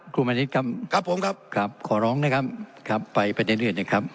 ครูมณิชครับครับผมครับขอร้องนะครับไปไปเรื่อยนะครับ